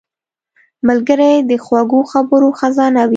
ملګری د خوږو خبرو خزانه وي